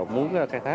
muốn khai thác